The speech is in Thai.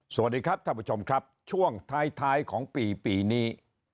สวัสดีครับท่านผู้ชมครับช่วงท้ายของปีปีนี้